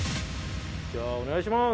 じゃあお願いします！